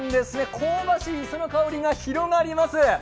香ばしい磯の香りが広がります。